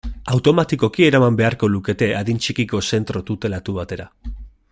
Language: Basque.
Automatikoki eraman beharko lukete adin txikiko zentro tutelatu batera.